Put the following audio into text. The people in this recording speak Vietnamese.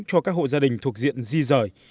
cho các hộ gia đình thuộc diện di rời